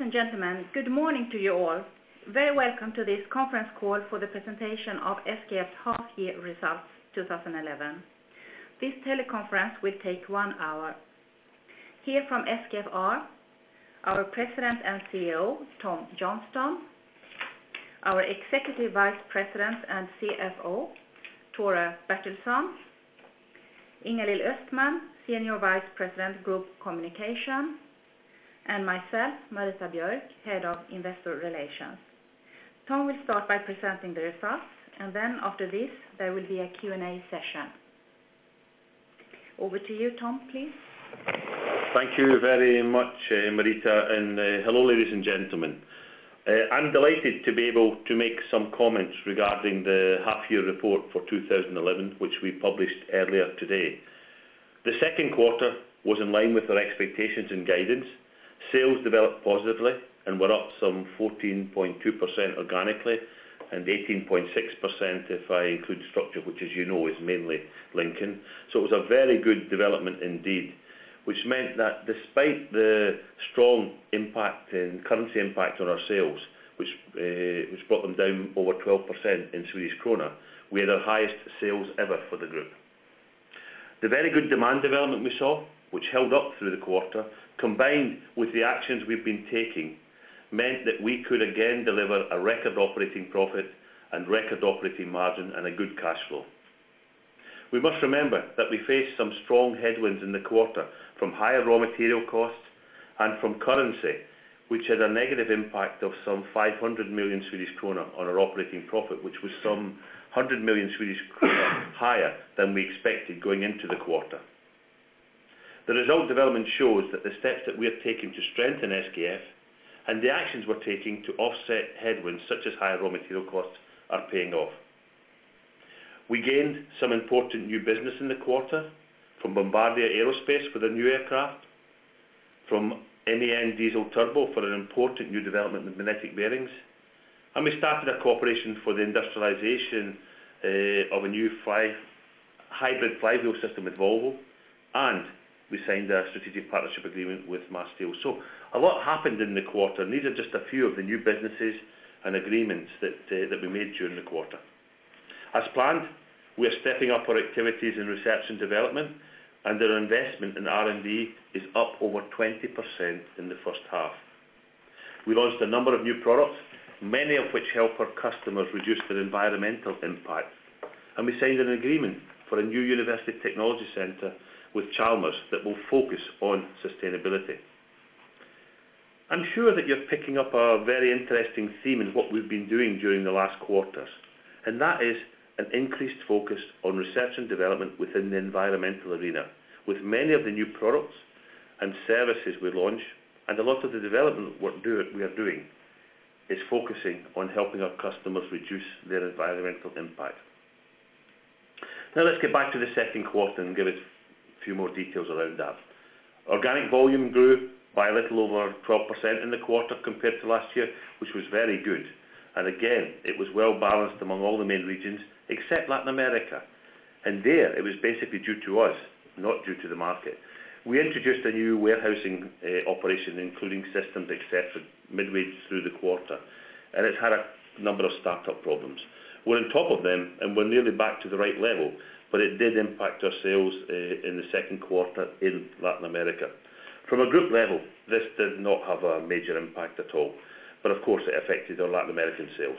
Ladies and gentlemen, good morning to you all. Very welcome to thisconference call for the presentation of SKF's half-year results 2011. This teleconference will take one hour. Here from SKF are our President and CEO, Tom Johnstone, our Executive Vice President and CFO, Tore Bertilsson, Ingalill Östman, Senior Vice President Group Communications, and myself, Marita Björk, Head of Investor Relations. Tom will start by presenting the results, and then after this, there will be a Q&A session. Over to you, Tom, please. Thank you very much, Marita, and, hello, ladies and gentlemen. I'm delighted to be able to make some comments regarding the half year report for 2011, which we published earlier today. The second quarter was in line with our expectations and guidance. Sales developed positively and were up some 14.2% organically, and 18.6% if I include structure, which, as you know, is mainly Lincoln. So it was a very good development indeed, which meant that despite the strong impact and currency impact on our sales, which brought them down over 12% in Swedish krona, we had our highest sales ever for the group. The very good demand development we saw, which held up through the quarter, combined with the actions we've been taking, meant that we could again deliver a record operating profit and record operating margin and a good cash flow. We must remember that we faced some strong headwinds in the quarter from higher raw material costs and from currency, which had a negative impact of some 500 million Swedish kronor on our operating profit, which was some 100 million Swedish kronor higher than we expected going into the quarter. The result development shows that the steps that we have taken to strengthen SKF, and the actions we're taking to offset headwinds, such as higher raw material costs, are paying off. We gained some important new business in the quarter from Bombardier Aerospace for their new aircraft, from MAN Diesel & Turbo for an important new development in magnetic bearings. And we started a cooperation for the industrialization of a new hybrid flywheel system with Volvo, and we signed a strategic partnership agreement with Masteel. So a lot happened in the quarter, and these are just a few of the new businesses and agreements that that we made during the quarter. As planned, we are stepping up our activities in research and development, and their investment in R&D is up over 20% in the first half. We launched a number of new products, many of which help our customers reduce their environmental impact. And we signed an agreement for a new university technology center with Chalmers that will focus on sustainability. I'm sure that you're picking up a very interesting theme in what we've been doing during the last quarters, and that is an increased focus on research and development within the environmental arena. With many of the new products and services we launch, and a lot of the development work we are doing, is focusing on helping our customers reduce their environmental impact. Now, let's get back to the second quarter and give a few more details around that. Organic volume grew by a little over 12% in the quarter compared to last year, which was very good. And again, it was well-balanced among all the main regions, except Latin America, and there, it was basically due to us, not due to the market. We introduced a new warehousing operation, including systems, et cetera, midway through the quarter, and it had a number of startup problems. We're on top of them, and we're nearly back to the right level, but it did impact our sales in the second quarter in Latin America. From a group level, this did not have a major impact at all, but of course, it affected our Latin American sales.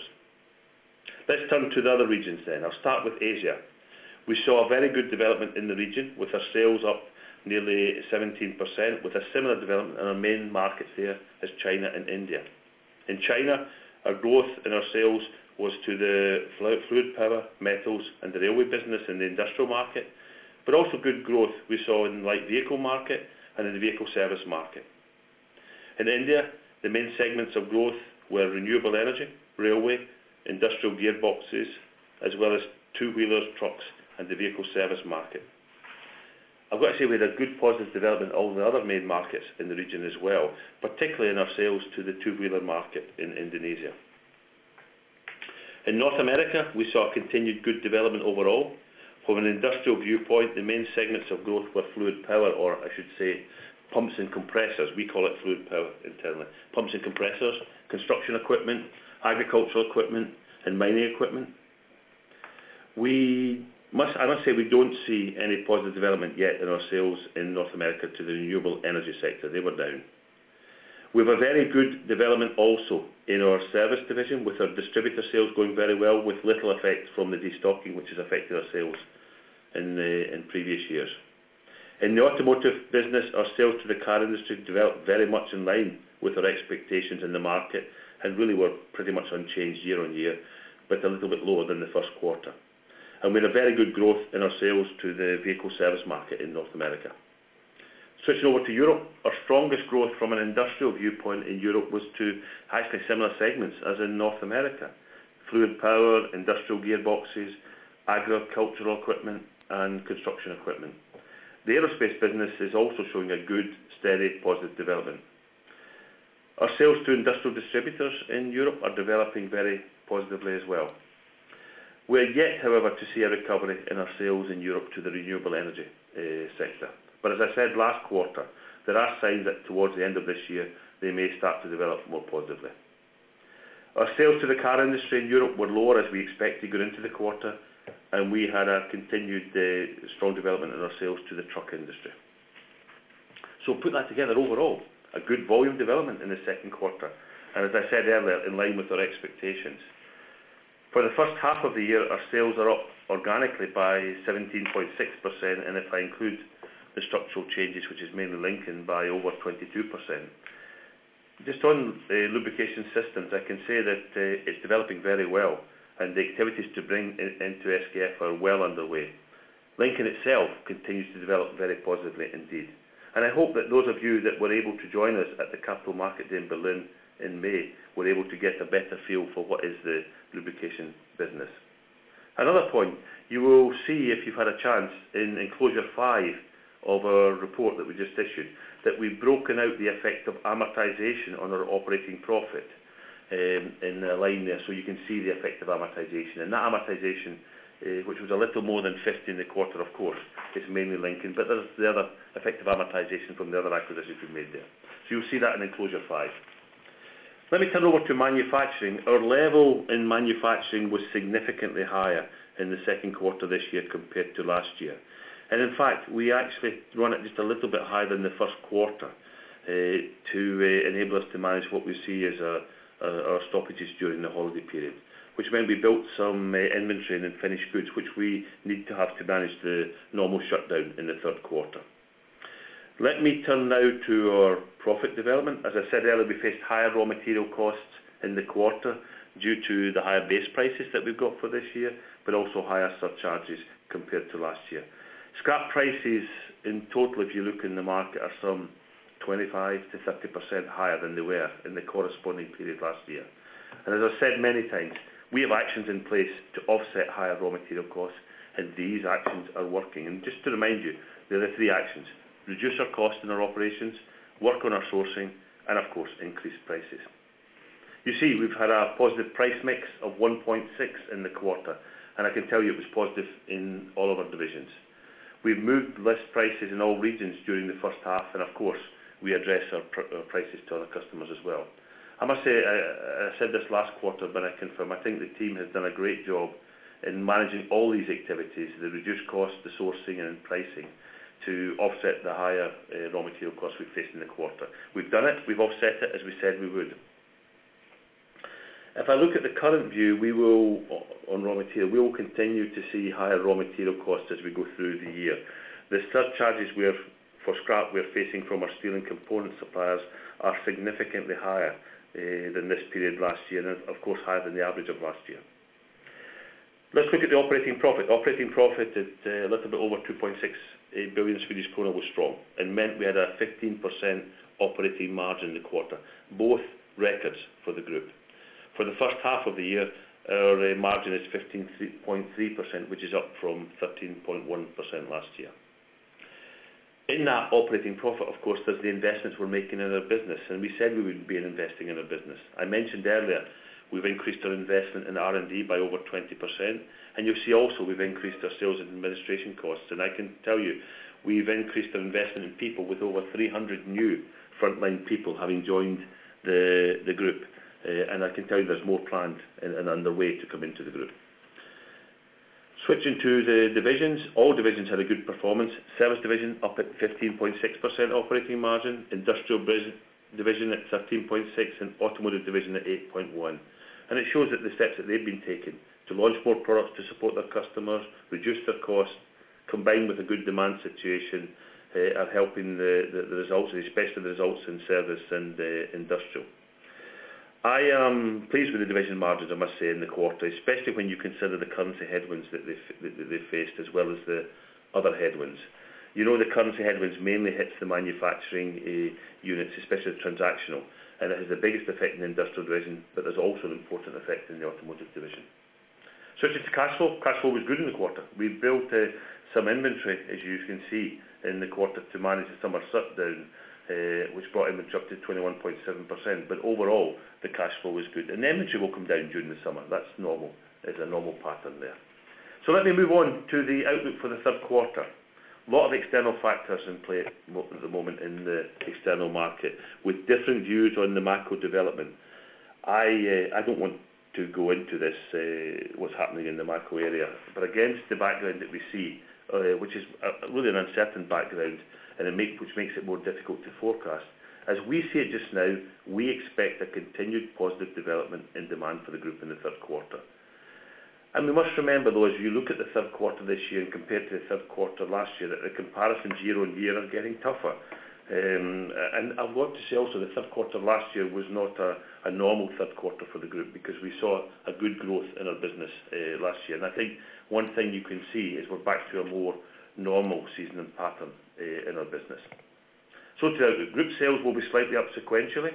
Let's turn to the other regions then. I'll start with Asia. We saw a very good development in the region, with our sales up nearly 17%, with a similar development in our main markets there as China and India. In China, our growth in our sales was to the fluid power, metals, and the railway business in the industrial market, but also good growth we saw in light vehicle market and in the vehicle service market. In India, the main segments of growth were renewable energy, railway, industrial gearboxes, as well as two-wheeler trucks and the vehicle service market. I've got to say we had a good positive development in all the other main markets in the region as well, particularly in our sales to the two-wheeler market in Indonesia. In North America, we saw a continued good development overall. From an industrial viewpoint, the main segments of growth were fluid power, or I should say, pumps and compressors. We call it fluid power, internally. Pumps and compressors, construction equipment, agricultural equipment, and mining equipment. I must say, we don't see any positive development yet in our sales in North America to the renewable energy sector. They were down. We have a very good development also in our service division, with our distributor sales going very well, with little effect from the destocking, which has affected our sales in previous years. In the automotive business, our sales to the car industry developed very much in line with our expectations in the market and really were pretty much unchanged year on year, but a little bit lower than the first quarter. We had a very good growth in our sales to the vehicle service market in North America. Switching over to Europe, our strongest growth from an industrial viewpoint in Europe was to highly similar segments as in North America: fluid power, industrial gearboxes, agricultural equipment, and construction equipment. The aerospace business is also showing a good, steady, positive development. Our sales to industrial distributors in Europe are developing very positively as well. We are yet, however, to see a recovery in our sales in Europe to the renewable energy sector. But as I said last quarter, there are signs that towards the end of this year, they may start to develop more positively. Our sales to the car industry in Europe were lower, as we expected, going into the quarter, and we had a continued strong development in our sales to the truck industry. So put that together, overall, a good volume development in the second quarter, and as I said earlier, in line with our expectations. For the first half of the year, our sales are up organically by 17.6%, and if I include the structural changes, which is mainly Lincoln, by over 22%. Just on the lubrication systems, I can say that it's developing very well, and the activities to bring into SKF are well underway. Lincoln itself continues to develop very positively indeed. I hope that those of you that were able to join us at the Capital Market Day in Berlin, in May, were able to get a better feel for what is the lubrication business. Another point, you will see, if you've had a chance, in Enclosure 5 of our report that we just issued, that we've broken out the effect of amortization on our operating profit, in a line there, so you can see the effect of amortization. And that amortization, which was a little more than 50 million in the quarter, of course, is mainly Lincoln, but there's the other effect of amortization from the other acquisitions we've made there. So you'll see that in Enclosure 5. Let me turn over to manufacturing. Our level in manufacturing was significantly higher in the second quarter this year compared to last year. In fact, we actually run it just a little bit higher than the first quarter, to enable us to manage what we see as our stoppages during the holiday period. Which, when we built some inventory and then finished goods, which we need to have to manage the normal shutdown in the third quarter. Let me turn now to our profit development. As I said earlier, we faced higher raw material costs in the quarter due to the higher base prices that we've got for this year, but also higher surcharges compared to last year. Scrap prices, in total, if you look in the market, are some 25%-30% higher than they were in the corresponding period last year. And as I've said many times, we have actions in place to offset higher raw material costs, and these actions are working. Just to remind you, there are three actions: reduce our costs in our operations, work on our sourcing, and of course, increase prices. You see, we've had a positive price mix of 1.6 in the quarter, and I can tell you it was positive in all of our divisions. We've moved list prices in all regions during the first half, and of course, we address our prices to other customers as well. I must say, I said this last quarter, but I confirm, I think the team has done a great job in managing all these activities, the reduced cost, the sourcing, and pricing, to offset the higher raw material costs we faced in the quarter. We've done it. We've offset it, as we said we would. If I look at the current view, we will, on raw material, we will continue to see higher raw material costs as we go through the year. The surcharges we have for scrap we're facing from our steel and component suppliers are significantly higher than this period last year, and of course, higher than the average of last year. Let's look at the operating profit. Operating profit is a little bit over 2.6 billion Swedish krona was strong, and meant we had a 15% operating margin in the quarter, both records for the group. For the first half of the year, our margin is 15.3%, which is up from 13.1% last year. In that operating profit, of course, there's the investments we're making in our business, and we said we would be investing in our business. I mentioned earlier, we've increased our investment in R&D by over 20%, and you'll see also we've increased our sales and administration costs. And I can tell you, we've increased our investment in people with over 300 new frontline people having joined the group. And I can tell you there's more planned and on the way to come into the group. Switching to the divisions. All divisions had a good performance. Service division up at 15.6% operating margin, industrial business division at 13.6%, and automotive division at 8.1%. And it shows that the steps that they've been taking to launch more products to support their customers, reduce their costs, combined with a good demand situation, are helping the results, especially the results in service and industrial. I am pleased with the division margins, I must say, in the quarter, especially when you consider the currency headwinds that they've, that they faced, as well as the other headwinds. You know, the currency headwinds mainly hits the manufacturing units, especially the transactional, and it has the biggest effect in the industrial division, but there's also an important effect in the automotive division. Switching to cash flow. Cash flow was good in the quarter. We built some inventory, as you can see, in the quarter to manage the summer shutdown, which brought inventory up to 21.7%. But overall, the cash flow was good, and the inventory will come down during the summer. That's normal. It's a normal pattern there. So let me move on to the outlook for the third quarter. A lot of external factors in play at the moment in the external market, with different views on the macro development. I, I don't want to go into this, what's happening in the macro area, but against the background that we see, which is really an uncertain background, and it makes it more difficult to forecast. As we see it just now, we expect a continued positive development in demand for the group in the third quarter. And we must remember, though, as you look at the third quarter this year and compare to the third quarter last year, that the comparisons year-over-year are getting tougher. And I want to say also, the third quarter last year was not a normal third quarter for the group because we saw a good growth in our business last year. I think one thing you can see is we're back to a more normal seasonal pattern in our business. So to the group sales, will be slightly up sequentially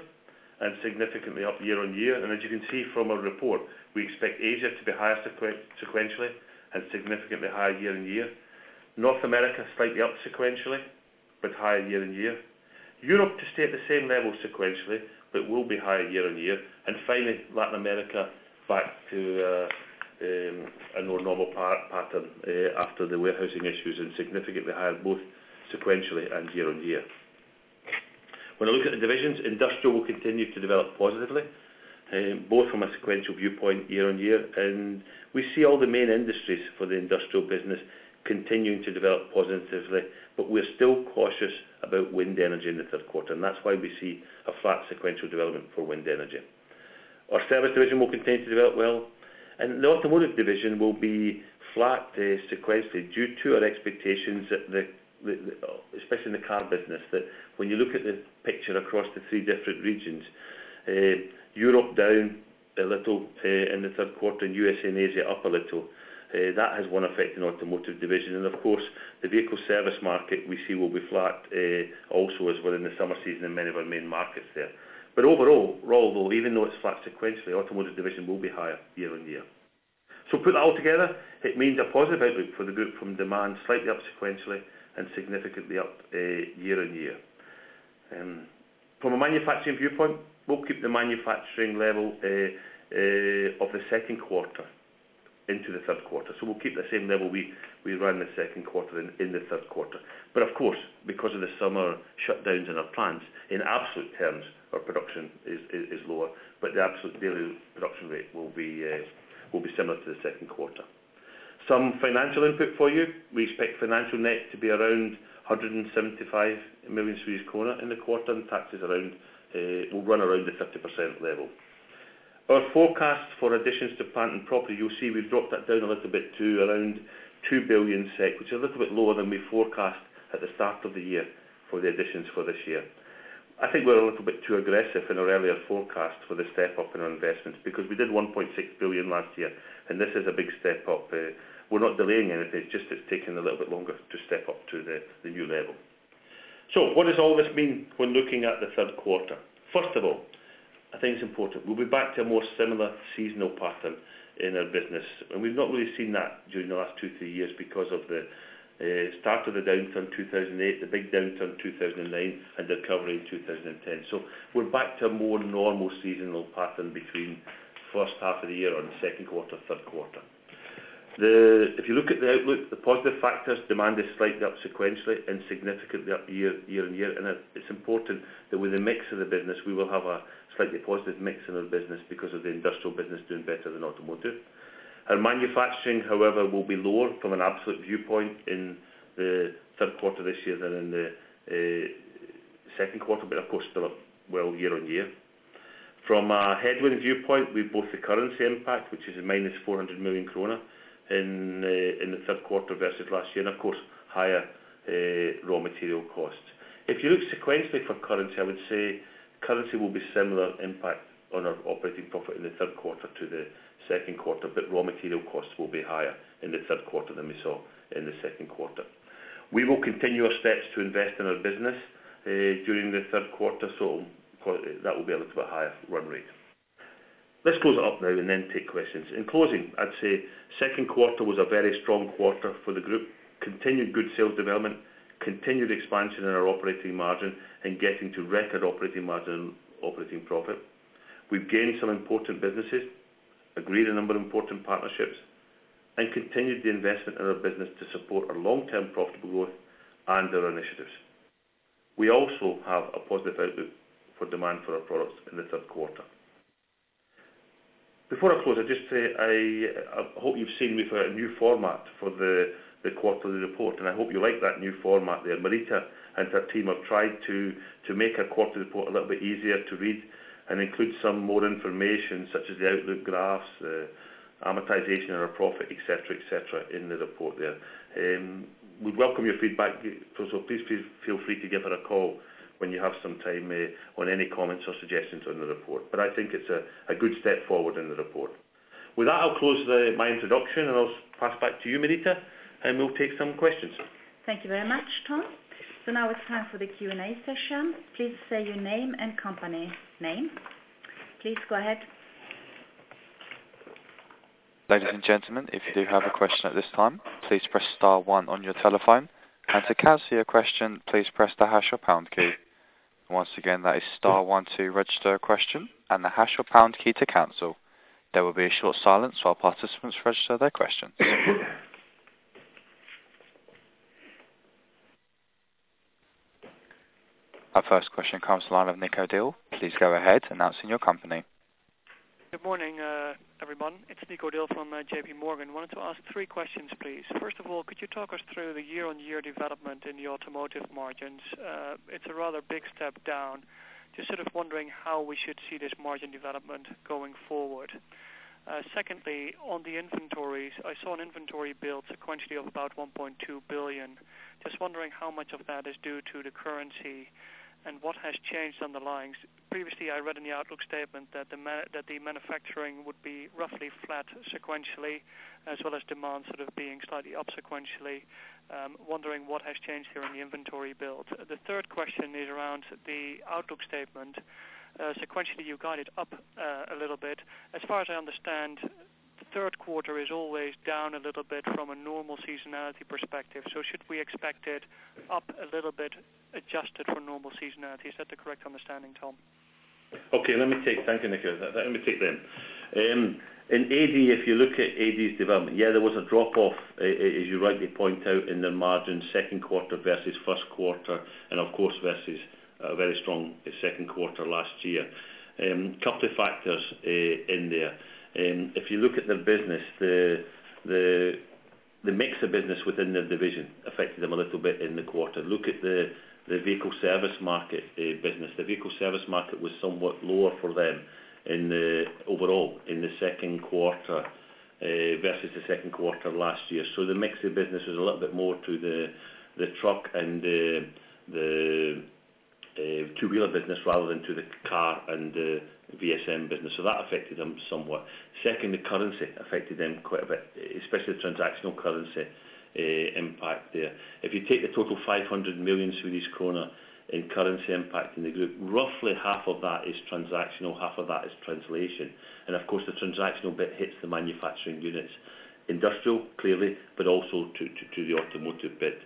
and significantly up year-on-year. And as you can see from our report, we expect Asia to be higher sequentially, and significantly higher year-on-year. North America, slightly up sequentially, but higher year-on-year. Europe to stay at the same level sequentially, but will be higher year-on-year. And finally, Latin America back to a more normal pattern after the warehousing issues and significantly higher both sequentially and year-on-year. When I look at the divisions, industrial will continue to develop positively both from a sequential viewpoint year-on-year. We see all the main industries for the industrial business continuing to develop positively, but we're still cautious about wind energy in the third quarter, and that's why we see a flat sequential development for wind energy. Our service division will continue to develop well, and the automotive division will be flat, sequentially due to our expectations that the especially in the car business, that when you look at the picture across the three different regions, Europe down a little, in the third quarter, and U.S. and Asia up a little, that has one effect in automotive division. And of course, the vehicle service market, we see, will be flat, also as we're in the summer season in many of our main markets there. But overall, overall, even though it's flat sequentially, automotive division will be higher year-on-year. So put that all together, it means a positive outlook for the group from demand slightly up sequentially and significantly up year on year. From a manufacturing viewpoint, we'll keep the manufacturing level of the second quarter into the third quarter. So we'll keep the same level we ran the second quarter in the third quarter. But of course, because of the summer shutdowns in our plants, in absolute terms, our production is lower, but the absolute daily production rate will be similar to the second quarter. Some financial input for you. We expect financial net to be around 175 million Swedish kronor in the quarter, and taxes around will run around the 30% level. Our forecast for additions to plant and property, you'll see we've dropped that down a little bit to around 2 billion SEK, which is a little bit lower than we forecast at the start of the year for the additions for this year. I think we're a little bit too aggressive in our earlier forecast for the step up in our investments, because we did 1.6 billion last year, and this is a big step up. We're not delaying anything, it's just it's taking a little bit longer to step up to the, the new level. So what does all this mean when looking at the third quarter? First of all, I think it's important, we'll be back to a more similar seasonal pattern in our business, and we've not really seen that during the last two, three years because of the start of the downturn, 2008, the big downturn, 2009, and recovery in 2010. So we're back to a more normal seasonal pattern between first half of the year and second quarter, third quarter. The, if you look at the outlook, the positive factors, demand is slightly up sequentially and significantly up year-on-year. And it, it's important that with the mix of the business, we will have a slightly positive mix in our business because of the industrial business doing better than automotive. Our manufacturing, however, will be lower from an absolute viewpoint in the third quarter this year than in the second quarter, but of course, still up well year-on-year. From a headwind viewpoint, we've both the currency impact, which is a minus 400 million kronor in the third quarter versus last year, and of course, higher raw material costs. If you look sequentially for currency, I would say currency will be similar impact on our operating profit in the third quarter to the second quarter, but raw material costs will be higher in the third quarter than we saw in the second quarter. We will continue our steps to invest in our business during the third quarter, so that will be a little bit higher run rate. Let's close up now and then take questions. In closing, I'd say second quarter was a very strong quarter for the group. Continued good sales development, continued expansion in our operating margin, and getting to record operating margin, operating profit. We've gained some important businesses, agreed a number of important partnerships, and continued the investment in our business to support our long-term profitable growth and our initiatives. We also have a positive outlook for demand for our products in the third quarter. Before I close, I just say I hope you've seen we've a new format for the quarterly report, and I hope you like that new format there. Marita and her team have tried to make our quarterly report a little bit easier to read and include some more information, such as the outlook graphs, amortization, and our profit, et cetera, et cetera, in the report there. We welcome your feedback, so please feel free to give her a call when you have some time on any comments or suggestions on the report. But I think it's a good step forward in the report. With that, I'll close my introduction, and I'll pass back to you, Marita, and we'll take some questions. Thank you very much, Tom. Now it's time for the Q&A session. Please state your name and company name. Please go ahead. Ladies and gentlemen, if you do have a question at this time, please press star one on your telephone. And to cancel your question, please press the hash or pound key. Once again, that is star one to register a question and the hash or pound key to cancel. There will be a short silence while participants register their questions. Our first question comes to the line of Nick O'Dea. Please go ahead and announce your company. Good morning, everyone. It's Nick O'Dea from JPMorgan. Wanted to ask three questions, please. First of all, could you talk us through the year-on-year development in the automotive margins? It's a rather big step down. Just sort of wondering how we should see this margin development going forward. Secondly, on the inventories, I saw an inventory build sequentially of about 1.2 billion. Just wondering how much of that is due to the currency, and what has changed on the lines? Previously, I read in the outlook statement that the manufacturing would be roughly flat sequentially, as well as demand sort of being slightly up sequentially. Wondering what has changed here in the inventory build. The third question is around the outlook statement. Sequentially, you got it up a little bit. As far as I understand-... The third quarter is always down a little bit from a normal seasonality perspective. So should we expect it up a little bit, adjusted for normal seasonality? Is that the correct understanding, Tom? Okay, let me take, thank you, Nico. Let me take them. In AD, if you look at AD's development, yeah, there was a drop-off, a, as you rightly point out, in the margin, second quarter versus first quarter, and of course, versus a very strong second quarter last year. Couple of factors in there. If you look at the business, the mix of business within the division affected them a little bit in the quarter. Look at the vehicle service market business. The vehicle service market was somewhat lower for them in the overall, in the second quarter versus the second quarter last year. So the mix of business was a little bit more to the truck and the two-wheeler business, rather than to the car and the VSM business. So that affected them somewhat. Second, the currency affected them quite a bit, especially the transactional currency, impact there. If you take the total 500 million Swedish kronor in currency impact in the group, roughly half of that is transactional, half of that is translation. And of course, the transactional bit hits the manufacturing units, industrial clearly, but also to the automotive bit.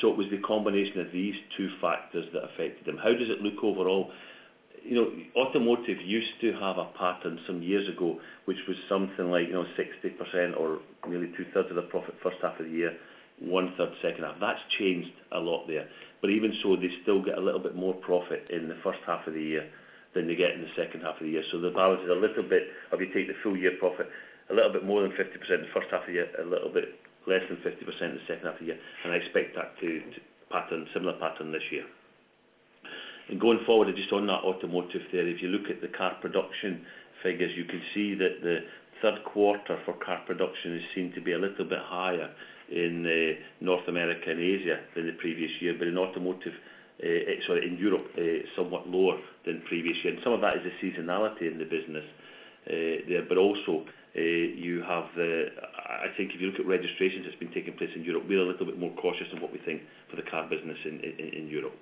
So it was the combination of these two factors that affected them. How does it look overall? You know, automotive used to have a pattern some years ago, which was something like, you know, 60% or nearly 2/3 of the profit first half of the year, 1/3, second half. That's changed a lot there. But even so, they still get a little bit more profit in the first half of the year than they get in the second half of the year. So the balance is a little bit, if you take the full year profit, a little bit more than 50% in the first half of the year, a little bit less than 50% in the second half of the year, and I expect that to pattern, similar pattern this year. And going forward, just on that automotive there, if you look at the car production figures, you can see that the third quarter for car production is seen to be a little bit higher in North America and Asia than the previous year. But in automotive, sorry, in Europe, somewhat lower than previous year. And some of that is the seasonality in the business, there, but also, you have the... I think if you look at registrations that's been taking place in Europe, we're a little bit more cautious than what we think for the car business in Europe.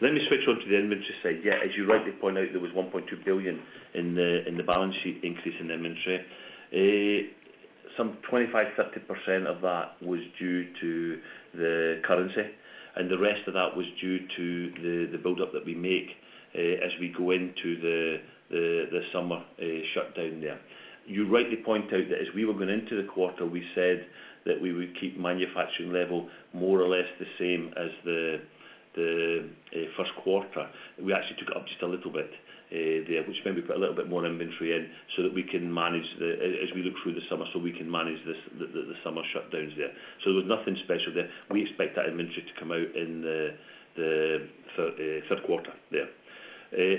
Let me switch on to the inventory side. Yeah, as you rightly point out, there was 1.2 billion in the balance sheet increase in inventory. Some 25-30% of that was due to the currency, and the rest of that was due to the buildup that we make as we go into the summer shutdown there. You rightly point out that as we were going into the quarter, we said that we would keep manufacturing level more or less the same as the first quarter. We actually took it up just a little bit there, which maybe put a little bit more inventory in so that we can manage as we look through the summer, so we can manage this summer shutdowns there. So there was nothing special there. We expect that inventory to come out in the third quarter there.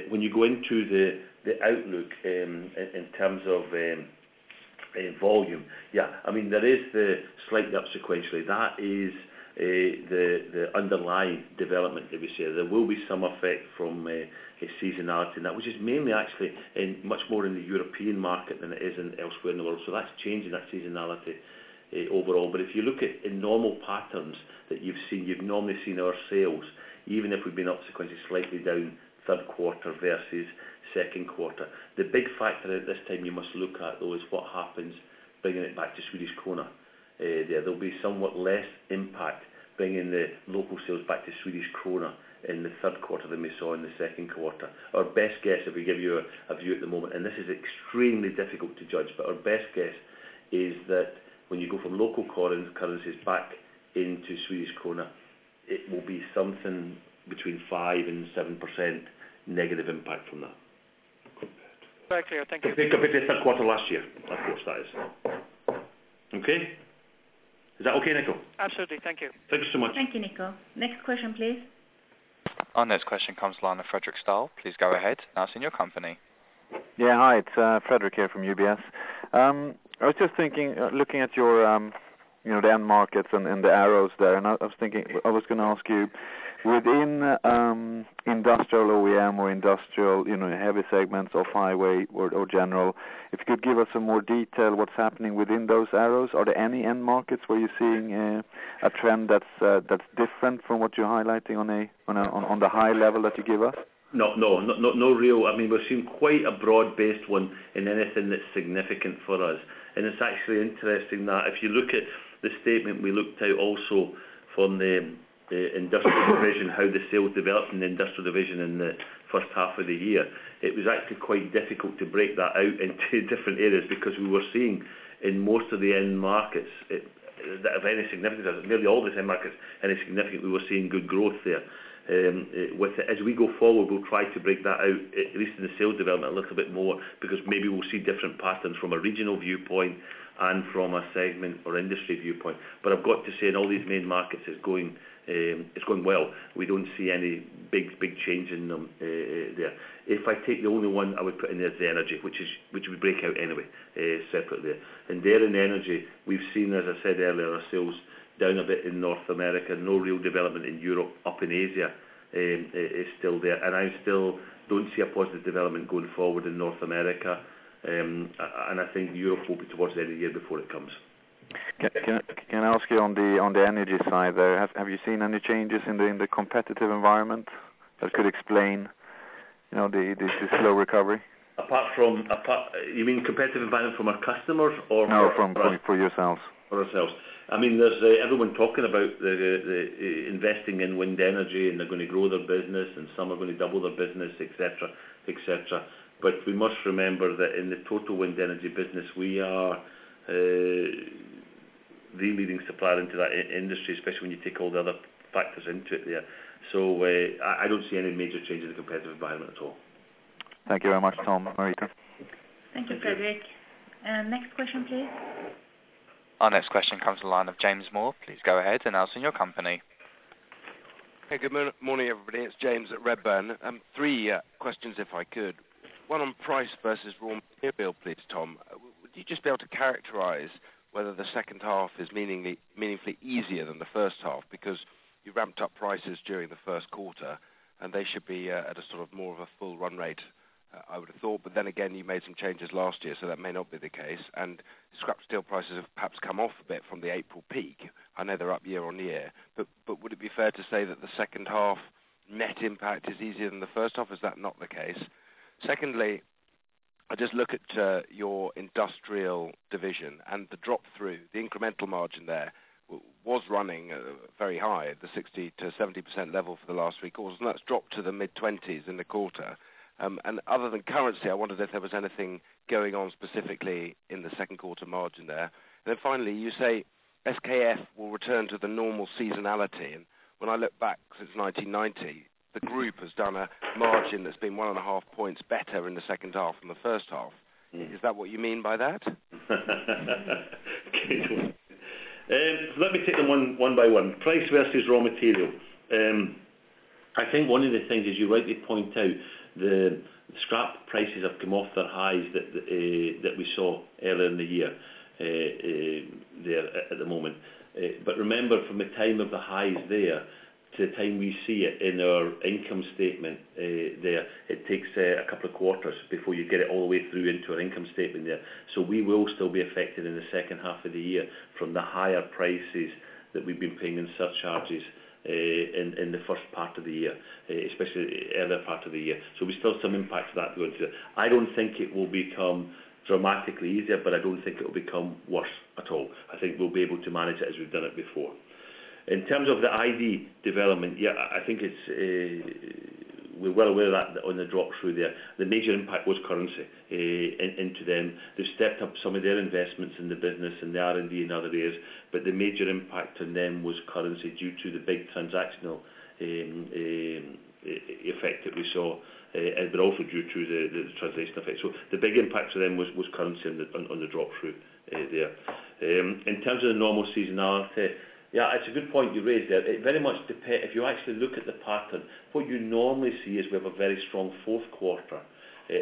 When you go into the outlook in terms of volume, yeah, I mean, there is the slight up sequentially. That is the underlying development that we see. There will be some effect from a seasonality, which is mainly actually much more in the European market than it is in elsewhere in the world. So that's changing, that seasonality overall. But if you look at in normal patterns that you've seen, you've normally seen our sales, even if we've been up sequentially, slightly down third quarter versus second quarter. The big factor at this time you must look at, though, is what happens bringing it back to Swedish krona. There will be somewhat less impact bringing the local sales back to Swedish krona in the third quarter than we saw in the second quarter. Our best guess, if we give you a view at the moment, and this is extremely difficult to judge, but our best guess is that when you go from local currencies back into Swedish krona, it will be something between 5% and 7% negative impact from that. Very clear. Thank you. Compared to the third quarter last year, of course that is. Okay? Is that okay, Nico? Absolutely. Thank you. Thank you so much. Thank you, Nico. Next question, please. Our next question comes from the line of Fredric Stahl. Please go ahead, and I'll see your company. Yeah. Hi, it's Fredrik here from UBS. I was just thinking, looking at your, you know, the end markets and, and the arrows there, and I was thinking, I was gonna ask you, within industrial OEM or industrial, you know, heavy segments or five-way or, or general, if you could give us some more detail what's happening within those arrows. Are there any end markets where you're seeing a trend that's different from what you're highlighting on the high level that you give us? No, no, not real. I mean, we're seeing quite a broad-based one in anything that's significant for us. And it's actually interesting that if you look at the statement, we looked out also from the industrial division, how the sales developed in the industrial division in the first half of the year. It was actually quite difficult to break that out into different areas because we were seeing in most of the end markets of any significance, nearly all the same markets, any significant, we were seeing good growth there. As we go forward, we'll try to break that out, at least in the sales development, a little bit more, because maybe we'll see different patterns from a regional viewpoint and from a segment or industry viewpoint. But I've got to say, in all these main markets, it's going, it's going well. We don't see any big, big change in them there. If I take the only one I would put in there is the energy, which is, which we break out anyway, separately. And there in energy, we've seen, as I said earlier, our sales down a bit in North America, no real development in Europe, up in Asia, is still there. And I still don't see a positive development going forward in North America. And I think Europe will be towards the end of the year before it comes. Can I ask you on the energy side there, have you seen any changes in the competitive environment that could explain, you know, the slow recovery? Apart from, you mean competitive environment from our customers, or- No, from for yourselves. For ourselves. I mean, there's everyone talking about the investing in wind energy, and they're gonna grow their business, and some are gonna double their business, et cetera, et cetera. But we must remember that in the total wind energy business, we are the leading supplier into that industry, especially when you take all the other factors into it there. So, I don't see any major change in the competitive environment at all. Thank you very much, Tom, Marita. Thank you, Fredrik. Next question, please. Our next question comes to the line of James Moore. Please go ahead and name your company. Hey, good morning, everybody. It's James at Redburn. Three questions, if I could. One on price versus raw material, please, Tom. Would you just be able to characterize whether the second half is meaningfully easier than the first half? Because you ramped up prices during the first quarter, and they should be at a sort of more of a full run rate, I would have thought. But then again, you made some changes last year, so that may not be the case, and scrap steel prices have perhaps come off a bit from the April peak. I know they're up year on year, but would it be fair to say that the second half net impact is easier than the first half, or is that not the case? Secondly, I just look at your industrial division and the drop through. The incremental margin there was running very high, at the 60%-70% level for the last three quarters, and that's dropped to the mid-20s in the quarter. And other than currency, I wondered if there was anything going on specifically in the second quarter margin there. Then finally, you say SKF will return to the normal seasonality. And when I look back since 1990, the group has done a margin that's been 1.5 points better in the second half than the first half. Mm. Is that what you mean by that? Good one. Let me take them one by one. Price versus raw material. I think one of the things, as you rightly point out, the scrap prices have come off their highs that we saw earlier in the year, there at the moment. But remember, from the time of the highs there to the time we see it in our income statement, there, it takes a couple of quarters before you get it all the way through into our income statement there. So we will still be affected in the second half of the year from the higher prices that we've been paying in surcharges, in the first part of the year, especially earlier part of the year. So we still have some impacts of that going through. I don't think it will become dramatically easier, but I don't think it will become worse at all. I think we'll be able to manage it as we've done it before. In terms of the ID development, yeah, I think it's, we're well aware of that on the drop-through there. The major impact was currency into them. They stepped up some of their investments in the business and the R&D in other areas, but the major impact on them was currency, due to the big transactional effect that we saw, and but also due to the translation effect. So the big impact to them was currency on the drop-through there. In terms of the normal seasonality, yeah, it's a good point you raised there. It very much depend... If you actually look at the pattern, what you normally see is we have a very strong fourth quarter.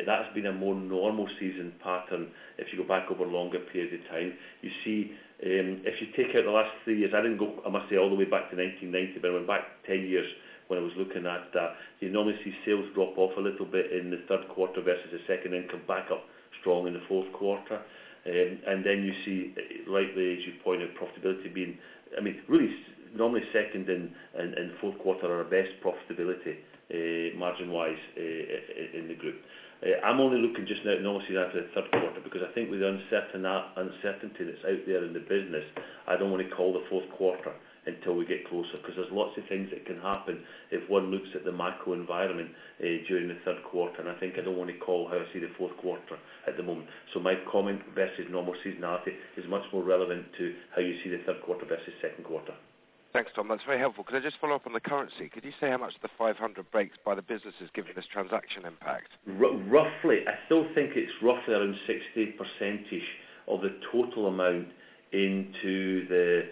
That's been a more normal season pattern, if you go back over longer periods of time. You see, if you take out the last three years, I didn't go, I must say, all the way back to 1990, but I went back 10 years when I was looking at that. You normally see sales drop off a little bit in the third quarter versus the second, and come back up strong in the fourth quarter. And then you see, rightly, as you pointed out, profitability being, I mean, really, normally second and fourth quarter are our best profitability, margin-wise, in the group. I'm only looking just now, normally after the third quarter, because I think with the uncertainty that's out there in the business, I don't want to call the fourth quarter until we get closer, 'cause there's lots of things that can happen if one looks at the macro environment during the third quarter, and I think I don't want to call how I see the fourth quarter at the moment. So my comment versus normal seasonality is much more relevant to how you see the third quarter versus second quarter. Thanks, Tom. That's very helpful. Could I just follow up on the currency? Could you say how much the 500 breaks by the business is giving this transaction impact? Roughly, I still think it's roughly around 60% of the total amount into the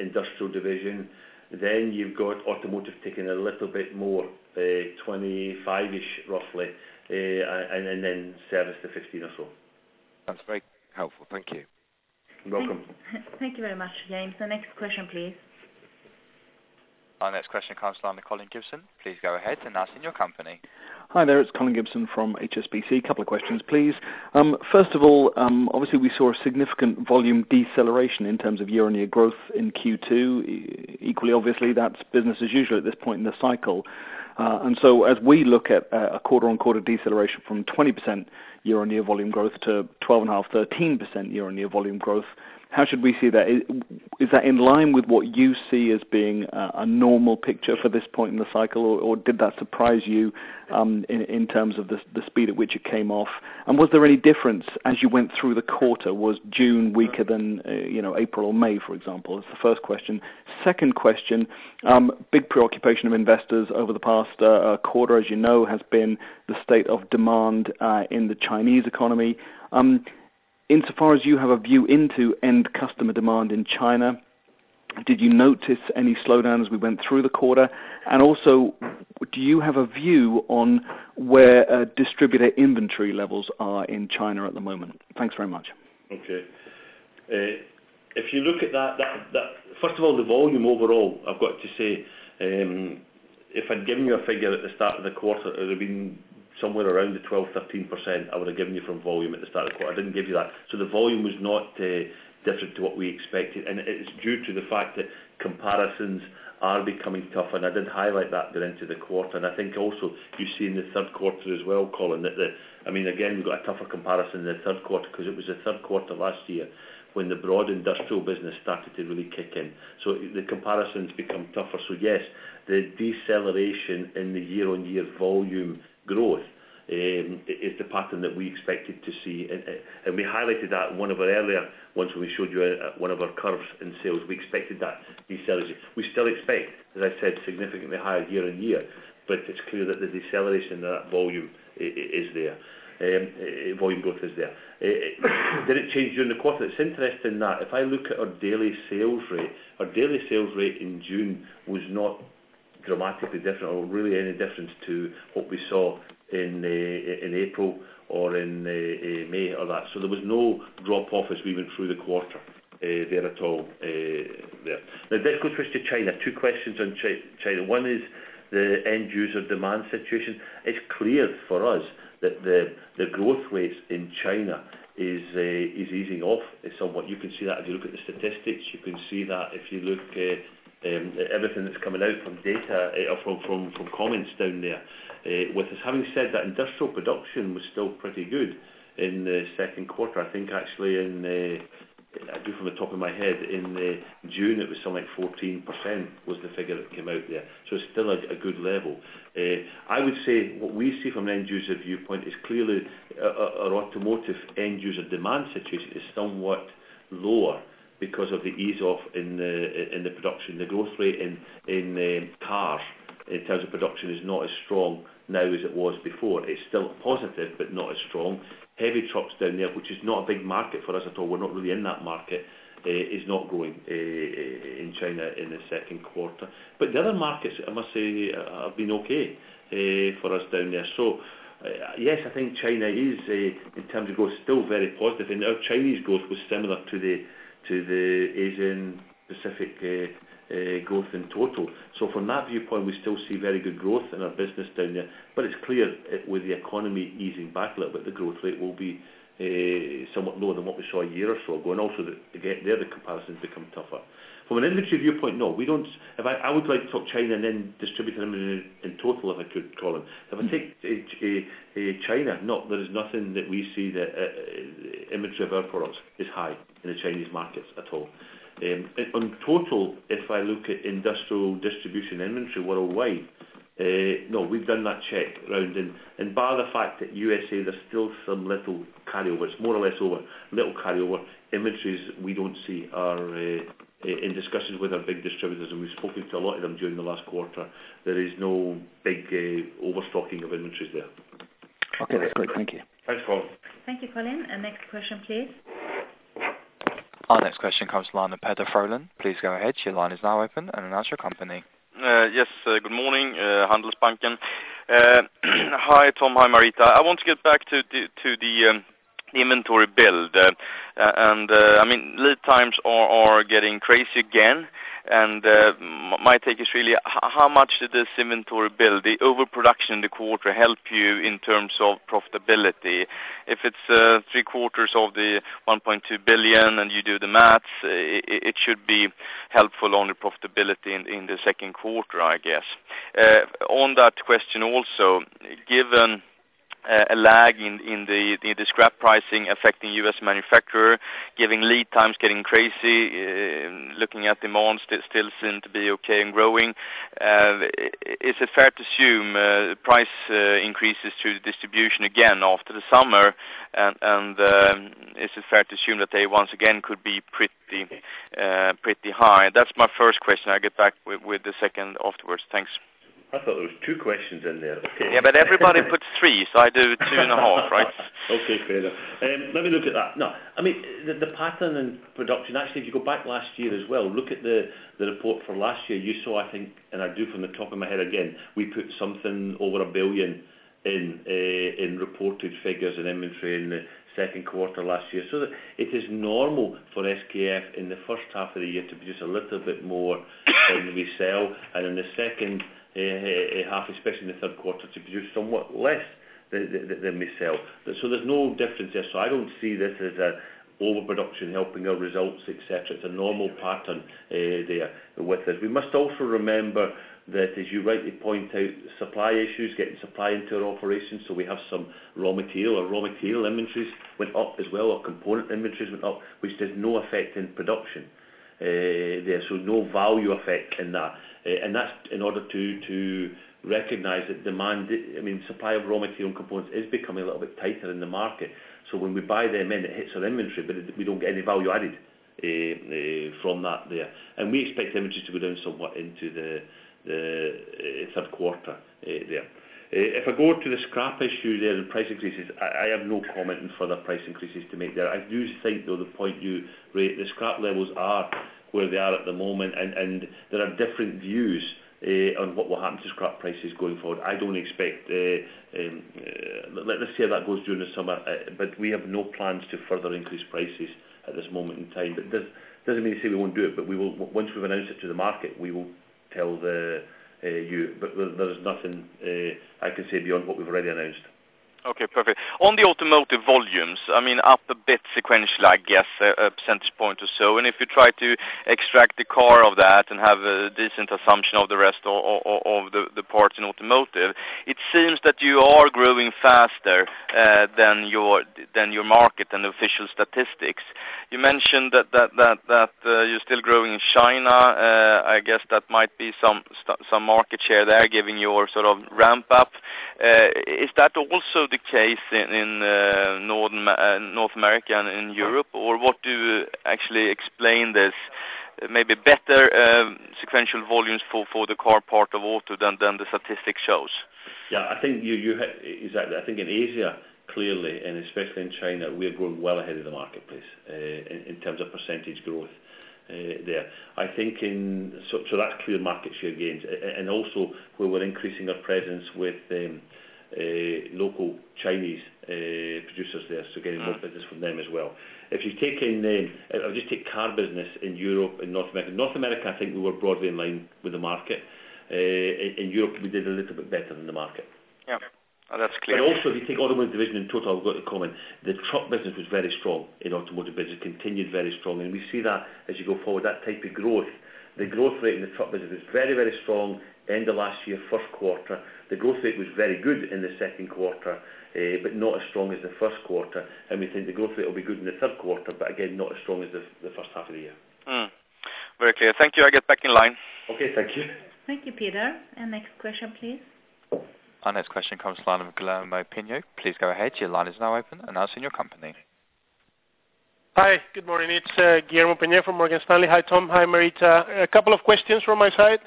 industrial division. Then you've got automotive taking a little bit more, 25%-ish, roughly, and then service to 15% or so. That's very helpful. Thank you. You're welcome. Thank you very much, James. The next question, please. Our next question comes from Colin Gibson. Please go ahead and announce in your company. Hi there, it's Colin Gibson from HSBC. Couple of questions, please. First of all, obviously we saw a significant volume deceleration in terms of year-on-year growth in Q2. Equally, obviously, that's business as usual at this point in the cycle. And so as we look at, a quarter-on-quarter deceleration from 20% year-on-year volume growth to 12.5%, 13% year-on-year volume growth, how should we see that? Is, is that in line with what you see as being a, a normal picture for this point in the cycle, or, or did that surprise you, in, in terms of the, the speed at which it came off? And was there any difference as you went through the quarter? Was June weaker than, you know, April or May, for example? That's the first question. Second question, big preoccupation of investors over the past quarter, as you know, has been the state of demand in the Chinese economy. Insofar as you have a view into end customer demand in China, did you notice any slowdown as we went through the quarter? And also, do you have a view on where distributor inventory levels are in China at the moment? Thanks very much. Okay. If you look at that. First of all, the volume overall, I've got to say, if I'd given you a figure at the start of the quarter, it would have been somewhere around 12%-13% I would have given you from volume at the start of the quarter. I didn't give you that. So the volume was not different to what we expected, and it is due to the fact that comparisons are becoming tougher, and I did highlight that going into the quarter. And I think also you see in the third quarter as well, Colin, that I mean, again, we've got a tougher comparison in the third quarter, 'cause it was the third quarter last year when the broad industrial business started to really kick in. So the comparisons become tougher. So yes, the deceleration in the year-over-year volume growth is the pattern that we expected to see, and we highlighted that in one of our earlier ones, when we showed you one of our curves in sales. We expected that deceleration. We still expect, as I said, significantly higher year-over-year, but it's clear that the deceleration of that volume is there, volume growth is there. Did it change during the quarter? It's interesting that if I look at our daily sales rate, our daily sales rate in June was not dramatically different or really any different to what we saw in April or in May or that. So there was no drop off as we went through the quarter, there at all, yeah. Now, that goes first to China. Two questions on China. One is the end user demand situation. It's clear for us that the growth rates in China is easing off. It's somewhat. You can see that if you look at the statistics. You can see that if you look, everything that's coming out from data or from comments down there. With this, having said that, industrial production was still pretty good in the second quarter. I think actually in, I do it from the top of my head, in, June, it was something like 14%, was the figure that came out there. So still a good level. I would say what we see from an end user viewpoint is clearly, our automotive end user demand situation is somewhat lower because of the ease off in the production. The growth rate in cars, in terms of production, is not as strong now as it was before. It's still positive, but not as strong. Heavy trucks down there, which is not a big market for us at all, we're not really in that market, is not growing, in China in the second quarter. But the other markets, I must say, have been okay, for us down there. So, yes, I think China is, in terms of growth, still very positive. And our Chinese growth was similar to the Asian Pacific growth in total. So from that viewpoint, we still see very good growth in our business down there, but it's clear, with the economy easing back a little bit, the growth rate will be somewhat lower than what we saw a year or so ago, and also, again, the comparisons become tougher. From an industry viewpoint, no, we don't. If I would like to talk China and then distributor in total, if I could, Colin. If I take China, no, there is nothing that we see that inventory of our products is high in the Chinese markets at all. On total, if I look at industrial distribution inventory worldwide, no, we've done that check round, and, and bar the fact that USA, there's still some little carryovers, more or less over, little carryover, inventories we don't see are, in discussions with our big distributors, and we've spoken to a lot of them during the last quarter, there is no big overstocking of inventories there. Okay, that's great. Thank you. Thanks, Colin. Thank you, Colin. Next question, please. Our next question comes from Peder Frölén. Please go ahead. Your line is now open, and announce your company. Yes, good morning, Handelsbanken. Hi, Tom. Hi, Marita. I want to get back to the inventory build. I mean, lead times are getting crazy again, and my take is really how much did this inventory build, the overproduction in the quarter, help you in terms of profitability? If it's three quarters of the 1.2 billion and you do the math, it should be helpful on the profitability in the second quarter, I guess. On that question also, given a lag in the scrap pricing affecting U.S. manufacturer, giving lead times getting crazy, looking at demands, they still seem to be okay and growing. Is it fair to assume price increases through the distribution again after the summer, and is it fair to assume that they once again could be pretty high? That's my first question. I'll get back with the second afterwards. Thanks. I thought there was two questions in there. Yeah, but everybody puts three, so I do two and half, right? Okay, fair. Let me look at that. No, I mean, the, the pattern in production, actually, if you go back last year as well, look at the, the report for last year, you saw, I think, and I do from the top of my head again, we put something over 1 billion in reported figures and inventory in the second quarter last year. So it is normal for SKF in the first half of the year to produce a little bit more than we sell, and in the second half, especially in the third quarter, to produce somewhat less than we sell. So there's no difference there. So I don't see this as overproduction helping our results, et cetera. It's a normal pattern, there with it. We must also remember that, as you rightly point out, supply issues, getting supply into our operations, so we have some raw material. Our raw material inventories went up as well. Our component inventories went up, which has no effect in production there, so no value effect in that. And that's in order to recognize that demand. I mean, supply of raw material and components is becoming a little bit tighter in the market. So when we buy them in, it hits our inventory, but we don't get any value added from that there. And we expect inventories to go down somewhat into the third quarter there. If I go to the scrap issue there, the price increases. I have no comment on further price increases to make there. I do think, though, the point you raised, the scrap levels are where they are at the moment, and there are different views on what will happen to scrap prices going forward. I don't expect let's see how that goes during the summer. But we have no plans to further increase prices at this moment in time. But doesn't mean to say we won't do it, but we will, once we've announced it to the market, we will tell you. But there's nothing I can say beyond what we've already announced. Okay, perfect. On the automotive volumes, I mean, up a bit sequentially, I guess, a percentage point or so, and if you try to extract the car of that and have a decent assumption of the rest of the parts in automotive, it seems that you are growing faster than your market and official statistics. You mentioned that you're still growing in China. I guess that might be some market share there, giving you your sort of ramp up. Is that also the case in North America and in Europe? Or what do you actually explain this maybe better sequential volumes for the car part of auto than the statistic shows? Yeah, I think exactly. I think in Asia, clearly, and especially in China, we are growing well ahead of the marketplace in terms of percentage growth there. So that's clear market share gains. And also, where we're increasing our presence with local Chinese producers there, so getting more business from them as well. If you've taken the I'll just take car business in Europe and North America. North America, I think we were broadly in line with the market. In Europe, we did a little bit better than the market. Yeah. That's clear. But also, if you take Automotive Division in total, I've got to comment, the truck business was very strong in automotive business, continued very strong. And we see that as you go forward, that type of growth, the growth rate in the truck business is very, very strong. End of last year, first quarter, the growth rate was very good in the second quarter, but not as strong as the first quarter. And we think the growth rate will be good in the third quarter, but again, not as strong as the first half of the year. Mm. Very clear. Thank you. I get back in line. Okay, thank you. Thank you, Peder. Next question, please. Our next question comes from the line of Guillermo Peigneux. Please go ahead. Your line is now open, and announce your company. Hi, good morning. It's Guillermo Peigneux from Morgan Stanley. Hi, Tom. Hi, Marita. A couple of questions from my side.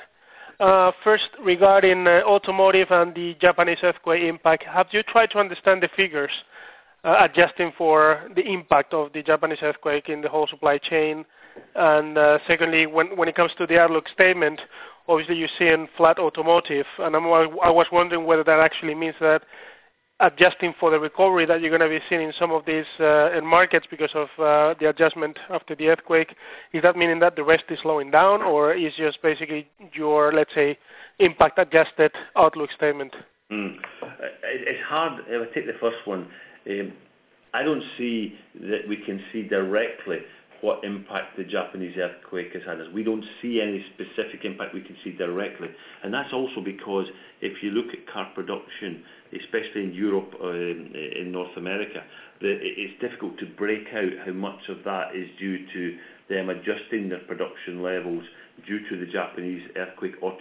First, regarding automotive and the Japanese earthquake impact, have you tried to understand the figures, adjusting for the impact of the Japanese earthquake in the whole supply chain? And, secondly, when it comes to the outlook statement, obviously you're seeing flat automotive, and I was wondering whether that actually means that adjusting for the recovery, that you're gonna be seeing some of these in markets because of the adjustment after the earthquake. Is that meaning that the rest is slowing down, or is just basically your, let's say, impact-adjusted outlook statement? It's hard. If I take the first one, I don't see that we can see directly what impact the Japanese earthquake has had on us. We don't see any specific impact we can see directly, and that's also because if you look at car production, especially in Europe or in North America, it's difficult to break out how much of that is due to them adjusting their production levels due to the Japanese earthquake, or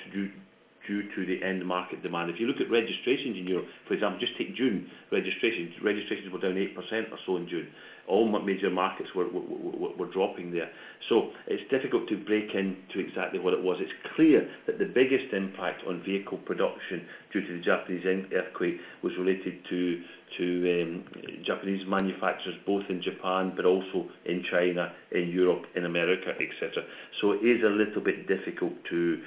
due to the end market demand. If you look at registrations in Europe, for example, just take June registrations. Registrations were down 8% or so in June. All major markets were dropping there. So it's difficult to break into exactly what it was. It's clear that the biggest impact on vehicle production due to the Japanese earthquake was related to Japanese manufacturers, both in Japan but also in China, in Europe, in America, et cetera. So it is a little bit difficult to